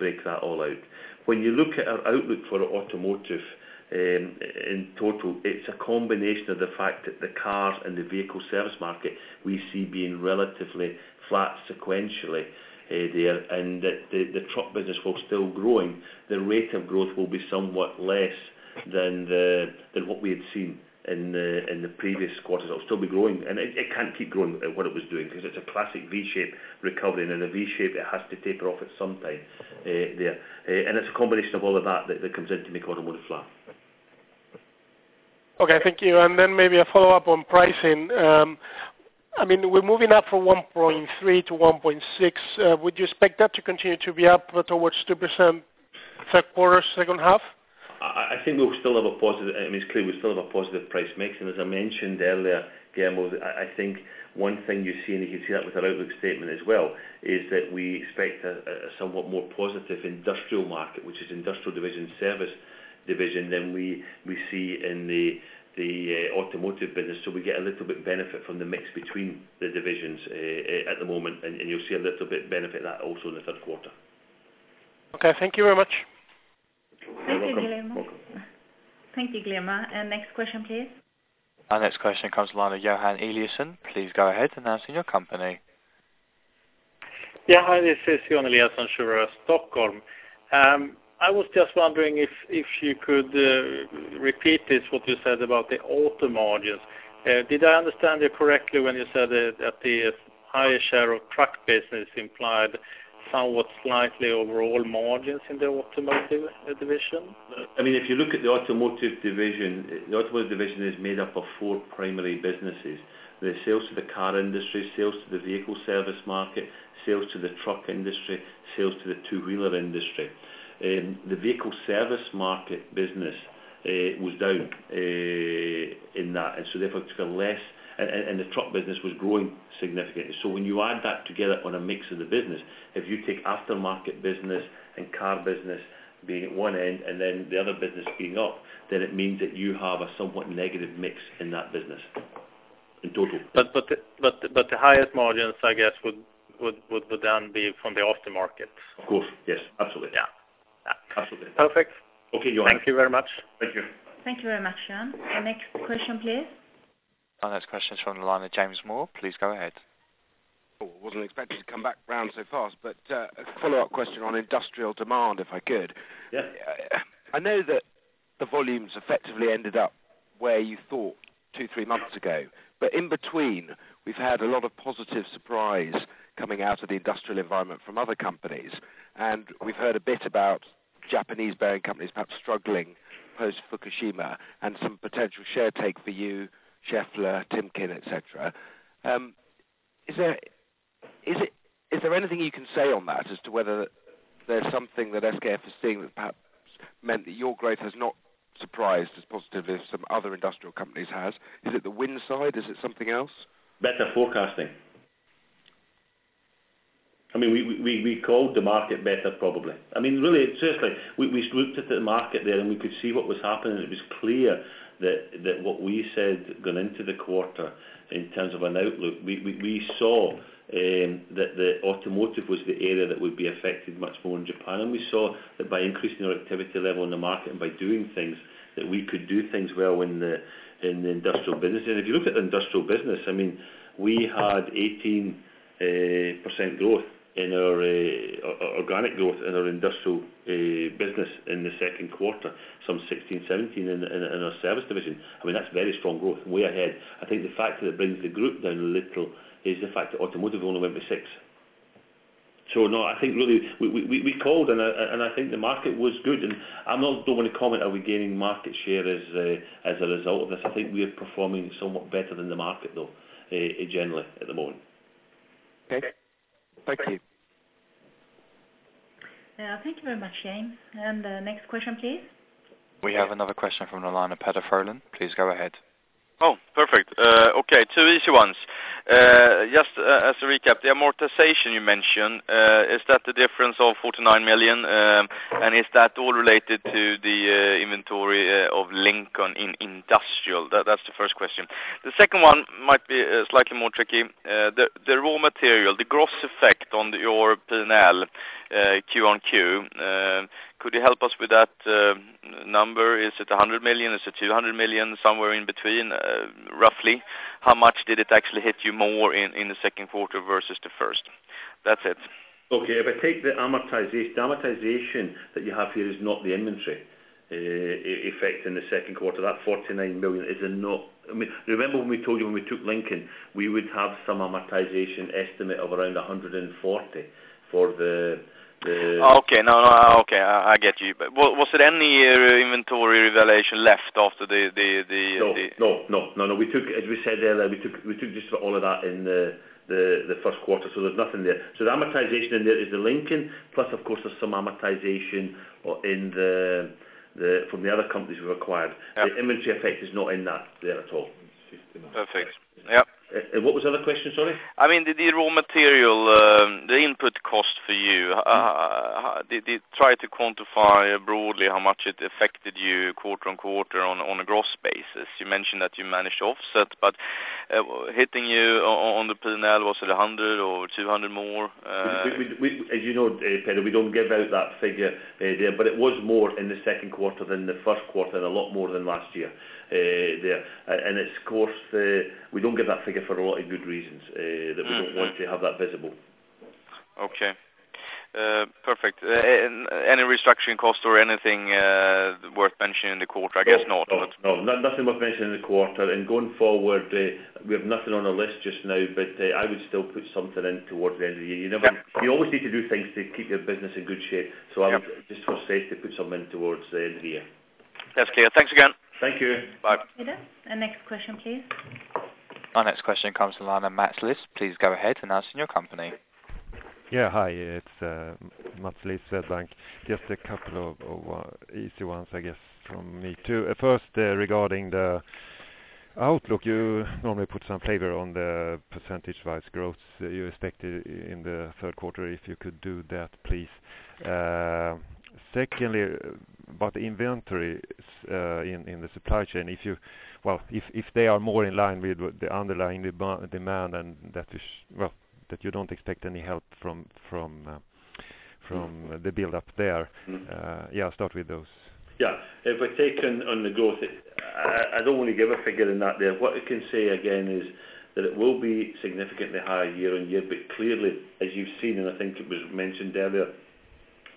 break that all out. When you look at our outlook for automotive, in total, it's a combination of the fact that the cars and the vehicle service market we see being relatively flat sequentially, there, and that the truck business while still growing, the rate of growth will be somewhat less than what we had seen in the previous quarters. It'll still be growing, and it can't keep growing at what it was doing because it's a classic V-shape recovery, and in a V-shape, it has to taper off at some time, there. And it's a combination of all of that that comes in to make automotive flat. Okay, thank you. And then maybe a follow-up on pricing. I mean, we're moving up from 1.3% to 1.6%. Would you expect that to continue to be up towards 2%, third quarter, second half? I think we'll still have a positive... I mean, it's clear we still have a positive price mix. And as I mentioned earlier, Guillermo, I think one thing you see, and you can see that with our outlook statement as well, is that we expect a somewhat more positive industrial market, which is Industrial Division, Service Division, than we see in the automotive business. So we get a little bit benefit from the mix between the divisions, at the moment, and you'll see a little bit benefit that also in the third quarter. Okay, thank you very much. You're welcome. Thank you, Guillermo. You're welcome. Thank you, Guillermo. Next question, please. Our next question comes from the line of Johan Eliasson. Please go ahead, announce your company. Yeah. Hi, this is Johan Eliasson, Schroders, Stockholm. I was just wondering if you could repeat this, what you said about the auto margins. Did I understand you correctly when you said that the higher share of truck business implied somewhat slightly overall margins in the Automotive Division? I mean, if you look at the Automotive Division, the Automotive Division is made up of four primary businesses, the sales to the car industry, sales to the vehicle service market, sales to the truck industry, sales to the two-wheeler industry. The vehicle service market business was down in that, and the truck business was growing significantly. So when you add that together on a mix of the business, if you take aftermarket business and car business being at one end and then the other business being up, then it means that you have a somewhat negative mix in that business. But the highest margins, I guess, would then be from the aftermarket? Of course, yes, absolutely. Yeah. Absolutely. Perfect. Okay, Johan. Thank you very much. Thank you. Thank you very much, Johan. Our next question, please. Our next question is from the line of James Moore. Please go ahead. Oh, I wasn't expecting to come back around so fast, but a follow-up question on industrial demand, if I could? Yes. I know that the volumes effectively ended up where you thought two, three months ago. But in between, we've had a lot of positive surprise coming out of the industrial environment from other companies. And we've heard a bit about Japanese bearing companies perhaps struggling post-Fukushima, and some potential share take for you, Schaeffler, Timken, et cetera. Is there anything you can say on that, as to whether there's something that SKF is seeing that perhaps meant that your growth has not surprised as positively as some other industrial companies has? Is it the wind side? Is it something else? Better forecasting. I mean, we called the market better, probably. I mean, really, seriously, we looked at the market there, and we could see what was happening, and it was clear that what we said going into the quarter in terms of an outlook, we saw that the automotive was the area that would be affected much more in Japan. And we saw that by increasing our activity level in the market and by doing things, that we could do things well in the industrial business. And if you look at the industrial business, I mean, we had 18% growth in our organic growth in our industrial business in the second quarter, some 16%-17% in our service division. I mean, that's very strong growth, way ahead. I think the factor that brings the group down a little is the fact that automotive only went with 6%. So no, I think really we called and I think the market was good. And I'm not going to comment, are we gaining market share as a result of this? I think we are performing somewhat better than the market, though, generally at the moment. Okay. Thank you. Thank you very much, James. The next question, please. We have another question from the line of Peder Frölén. Please go ahead. Oh, perfect. Okay, two easy ones. Just as a recap, the amortization you mentioned, is that the difference of 49 million? And is that all related to the inventory of Lincoln Industrial? That's the first question. The second one might be slightly more tricky. The raw material, the gross effect on your P&L, QoQ, could you help us with that number? Is it 100 million, is it 200 million, somewhere in between? Roughly, how much did it actually hit you more in the second quarter versus the first? That's it. Okay. If I take the amortization... The amortization that you have here is not the inventory effect in the second quarter. That 49 million is... I mean, remember when we told you when we took Lincoln, we would have some amortization estimate of around 140 million for the, the- Okay. No, no, okay, I get you. But was there any inventory revelation left after the- No, no, no. No, no, we took, as we said earlier, we took just all of that in the first quarter, so there's nothing there. So the amortization in there is the Lincoln, plus of course, there's some amortization from the other companies we acquired. Yeah. The inventory effect is not in that there at all. Perfect. Yeah. What was the other question? Sorry. I mean, the raw material, the input cost for you, how did you try to quantify broadly how much it affected you quarter-over-quarter on a gross basis? You mentioned that you managed to offset, but hitting you on the P&L, was it 100 or 200 more? We—as you know, Peder, we don't give out that figure there, but it was more in the second quarter than the first quarter, and a lot more than last year there. And it's, of course, we don't give that figure for a lot of good reasons. Mm-hmm... that we don't want to have that visible. Okay. Perfect. Any restructuring cost or anything worth mentioning in the quarter? I guess not, but- No, no, nothing worth mentioning in the quarter. And going forward, we have nothing on our list just now, but I would still put something in toward the end of the year. Yeah. You never—you always need to do things to keep your business in good shape. Yeah. I would just say to put something in towards the end of the year. That's clear. Thanks again. Thank you. Bye. Peder, our next question, please. Our next question comes from the line of Mats Liss. Please go ahead and announce your company. Yeah, hi, it's Mats Liss, Swedbank. Just a couple of easy ones, I guess, from me, too. First, regarding the outlook, you normally put some flavor on the percentage-wise growth you expect in the third quarter, if you could do that, please. Secondly, about the inventories in the supply chain, if you, well, if they are more in line with the underlying demand, and that is, well, that you don't expect any help from the buildup there. Mm-hmm. Yeah, I'll start with those. Yeah. If I take on, on the growth, I, I don't want to give a figure in that there. What I can say again is, that it will be significantly higher year-on-year, but clearly, as you've seen, and I think it was mentioned earlier,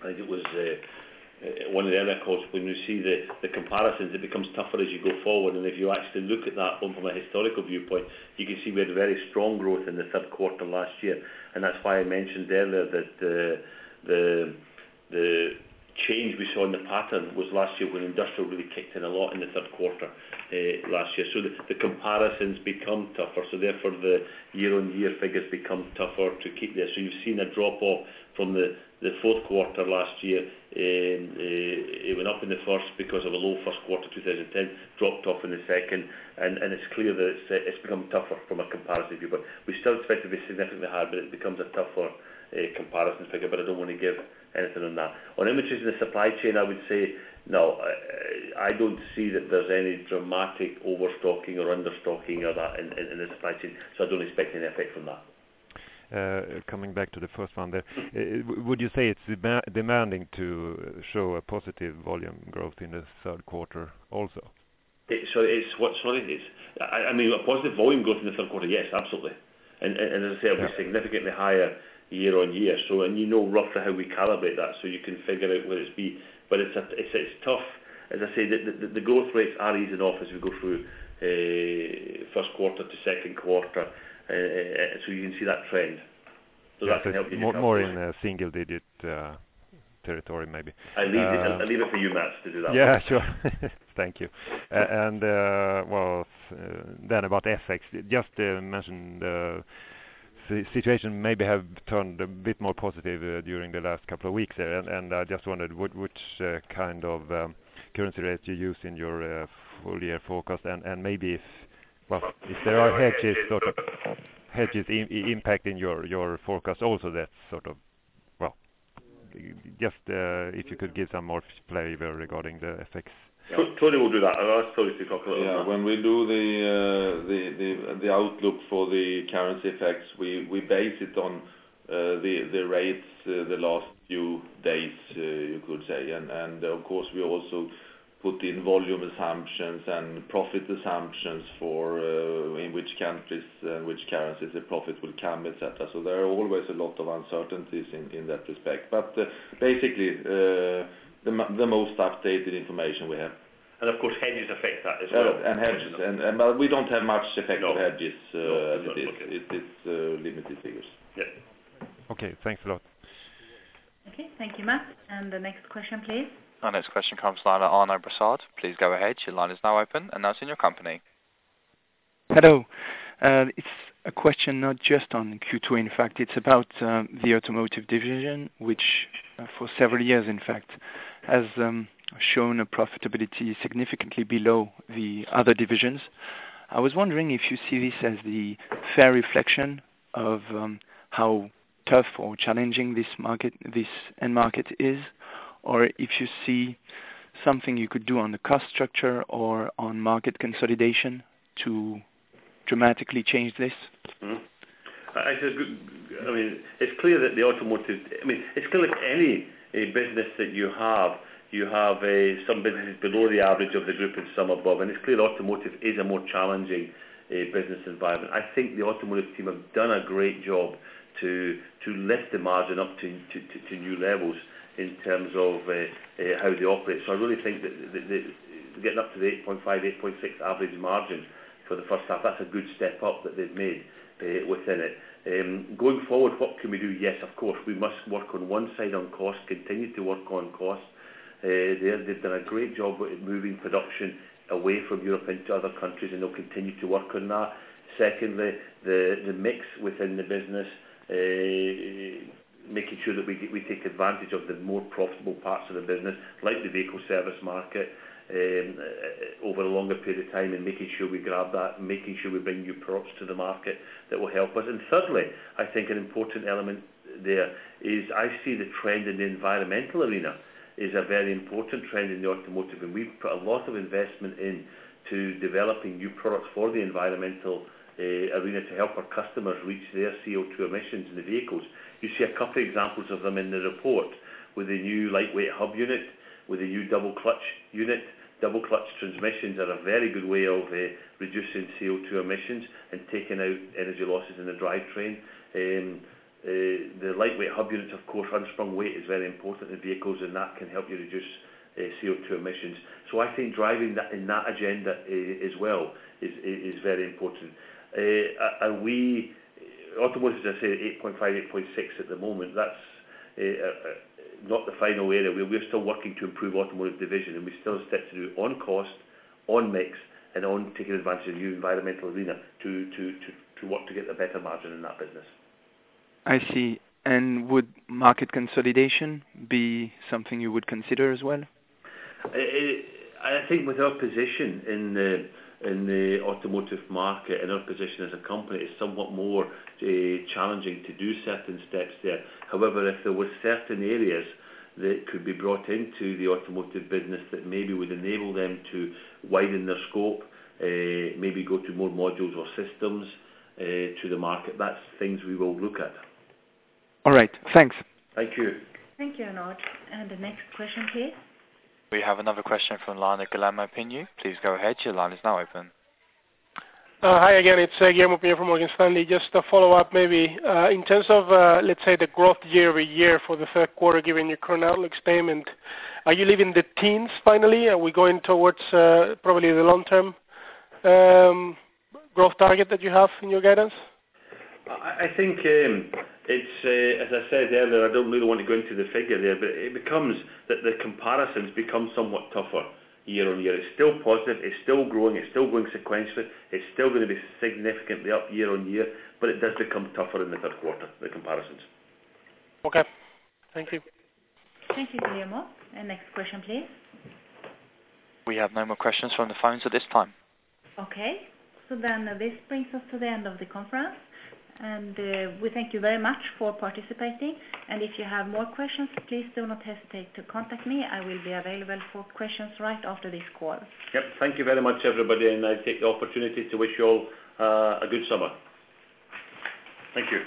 I think it was, one of the earlier calls, when you see the, the comparisons, it becomes tougher as you go forward. And if you actually look at that one from a historical viewpoint, you can see we had very strong growth in the third quarter last year. And that's why I mentioned earlier that the, the, the change we saw in the pattern was last year, when industrial really kicked in a lot in the third quarter, last year. So the, the comparisons become tougher. So therefore, the year-on-year figures become tougher to keep there. So you've seen a drop-off from the fourth quarter last year, and it went up in the first because of a low first quarter, 2010, dropped off in the second, and it's clear that it's become tougher from a comparative viewpoint. We still expect it to be significantly hard, but it becomes a tougher comparisons figure. But I don't want to give anything on that. On inventories in the supply chain, I would say, no, I don't see that there's any dramatic overstocking or understocking or that in the supply chain, so I don't expect any effect from that. Coming back to the first one there. Mm-hmm. Would you say it's demanding to show a positive volume growth in the third quarter also? It's what it is. I mean, a positive volume growth in the third quarter, yes, absolutely. And as I said- Yeah... it'll be significantly higher year on year. So and you know roughly how we calibrate that, so you can figure out where it's be. But it's tough. As I said, the growth rates are easing off as we go through a first quarter to second quarter, so you can see that trend. So that can help you- More, more in a single digit, territory, maybe. I'll leave it, I'll leave it for you, Mats, to do that. Yeah, sure. Thank you. And, well, then about FX, just to mention, the situation maybe have turned a bit more positive during the last couple of weeks there. And, I just wondered what- which kind of currency rate you use in your full year forecast? And, maybe if, well, if there are hedges impacting your forecast also that's sort of... Well, just if you could give some more flavor regarding the FX. Tony will do that. I'll ask Tony to talk about that. Yeah, when we do the outlook for the currency effects, we base it on the rates the last few days, you could say. Of course, we also put in volume assumptions and profit assumptions for in which countries and which currencies the profit will come, et cetera. There are always a lot of uncertainties in that respect. Basically, the most updated information we have. Of course, hedges affect that as well. And hedges. But we don't have much effect- No... of hedges, No... it. It's limited figures. Yeah. Okay, thanks a lot. Okay, thank you, Mats. And the next question, please. Our next question comes from line Arnaud Brossard. Please go ahead. Your line is now open, and announce your company. Hello. It's a question not just on Q2, in fact, it's about the automotive division, which for several years, in fact, has shown a profitability significantly below the other divisions. I was wondering if you see this as the fair reflection of how tough or challenging this market, this end market is? Or if you see something you could do on the cost structure or on market consolidation to dramatically change this? Mm-hmm. I said, I mean, it's clear that the automotive... I mean, it's clear that any business that you have, you have some businesses below the average of the group and some above. And it's clear automotive is a more challenging business environment. I think the automotive team have done a great job to lift the margin up to new levels in terms of how they operate. So I really think that the getting up to the 8.5%, 8.6% average margin for the first half, that's a good step up that they've made within it. Going forward, what can we do? Yes, of course, we must work on one side on cost, continue to work on costs. They've done a great job with moving production away from Europe into other countries, and they'll continue to work on that. Secondly, the mix within the business, making sure that we take advantage of the more profitable parts of the business, like the vehicle service market, over a longer period of time, and making sure we grab that, and making sure we bring new products to the market that will help us. And thirdly, I think an important element there is, I see the trend in the environmental arena is a very important trend in the automotive. And we've put a lot of investment into developing new products for the environmental arena, to help our customers reach their CO2 emissions in the vehicles. You see a couple examples of them in the report, with a new lightweight hub unit, with a new double clutch unit. Double clutch transmissions are a very good way of reducing CO2 emissions and taking out energy losses in the drivetrain. The lightweight hub units, of course, unsprung weight is very important in vehicles, and that can help you reduce CO2 emissions. So I think driving that, in that agenda, as well, is very important. Automotive, as I said, 8.5%, 8.6% at the moment, that's not the final area. We're still working to improve automotive division, and we still have steps to do on cost, on mix, and on taking advantage of the new environmental arena to work to get a better margin in that business. I see. And would market consolidation be something you would consider as well? I think with our position in the, in the automotive market and our position as a company, it's somewhat more challenging to do certain steps there. However, if there were certain areas that could be brought into the automotive business, that maybe would enable them to widen their scope, maybe go to more modules or systems, to the market, that's things we will look at. All right. Thanks. Thank you. Thank you, Arnaud. The next question, please. We have another question from line, Guillermo Peigneux. Please go ahead. Your line is now open. Hi again, it's Guillermo Peigneux from Morgan Stanley. Just to follow up, maybe, in terms of, let's say, the growth year-over-year for the third quarter, given your current outlook statement, are you leaving the teens finally? Are we going towards, probably the long-term, growth target that you have in your guidance? I think, as I said earlier, I don't really want to go into the figure there, but it becomes that the comparisons become somewhat tougher year on year. It's still positive, it's still growing, it's still going sequentially, it's still gonna be significantly up year on year, but it does become tougher in the third quarter, the comparisons. Okay. Thank you. Thank you, Guillermo. And next question, please. We have no more questions from the phones at this time. Okay, so then this brings us to the end of the conference. We thank you very much for participating. If you have more questions, please do not hesitate to contact me. I will be available for questions right after this call. Yep. Thank you very much, everybody, and I take the opportunity to wish you all, a good summer. Thank you.